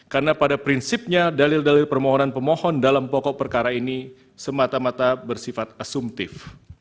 karena pada prinsipnya dalil dalil permohonan pemohon dalam pokok perkara ini semata mata bersifat asumtif